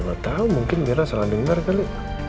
gak tau mungkin mirna salah dengar kali